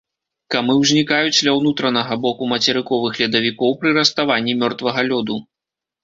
Камы ўзнікаюць ля ўнутранага боку мацерыковых ледавікоў пры раставанні мёртвага лёду.